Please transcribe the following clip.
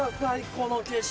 この景色。